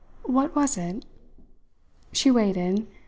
"What was it?" She waited.